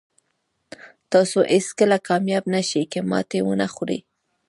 تاسو هېڅکله کامیاب نه شئ که ماتې ونه خورئ.